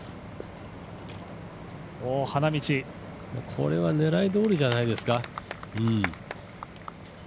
これは狙いどおりじゃないですか。